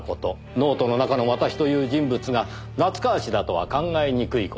ノートの中の「私」という人物が夏河氏だとは考えにくい事。